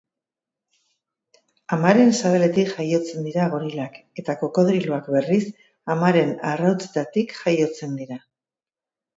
Amaren sabeletik jaiotzen dira gorilak eta krokodiloak, berriz, amaren arrautzetatik jaiotzen dira.